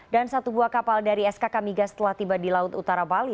dan satu buah kapal dari sk kamiga setelah tiba di laut utara bali